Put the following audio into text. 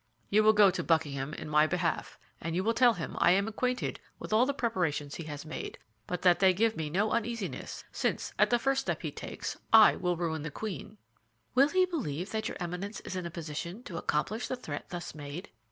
"You will go to Buckingham in my behalf, and you will tell him I am acquainted with all the preparations he has made; but that they give me no uneasiness, since at the first step he takes I will ruin the queen." "Will he believe that your Eminence is in a position to accomplish the threat thus made?"